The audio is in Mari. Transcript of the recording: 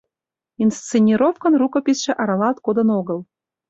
Инсценировкын рукописыше аралалт кодын огыл.